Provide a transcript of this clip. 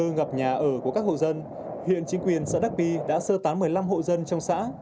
ngập nhà ở của các hộ dân hiện chính quyền xã đắc bi đã sơ tán một mươi năm hộ dân trong xã